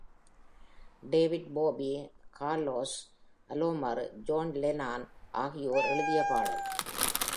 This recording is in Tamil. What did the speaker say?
David Bowie, Carlos Alomar, John Lennon ஆகியோர் எழுதிய பாடல்.